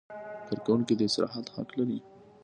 کارکوونکی د استراحت حق لري.